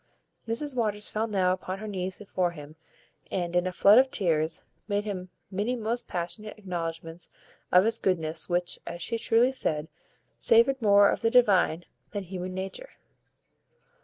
Mrs Waters fell now upon her knees before him, and, in a flood of tears, made him many most passionate acknowledgments of his goodness, which, as she truly said, savoured more of the divine than human nature.